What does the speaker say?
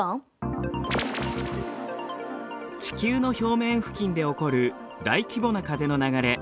地球の表面付近で起こる大規模な風の流れ。